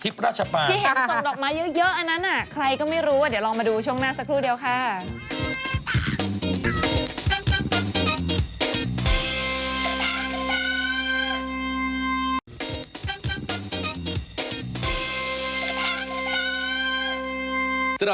ที่เห็นส่งออกมาเยอะอันนั้นอะ